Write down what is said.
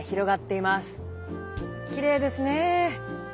きれいですね。